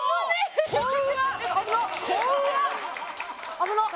危なっ！